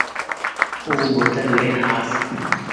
او بوتل لين آس